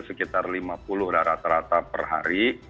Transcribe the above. sekitar lima puluh lah rata rata per hari